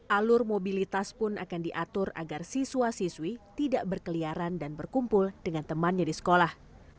alur mobilitas pun akan diatur agar siswa siswi tidak berkeliaran dan berkumpul dengan temannya di sekolah